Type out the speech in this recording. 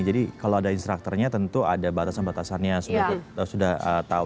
jadi kalau ada instructornya tentu ada batasan batasannya sudah tahu